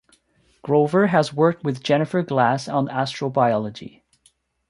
Grover has worked with Jennifer Glass on astrobiology.